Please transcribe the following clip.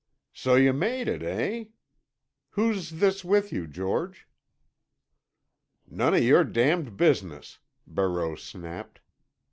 "So you made it, eh? Who's this with you, George?" "None of your damned business!" Barreau snapped.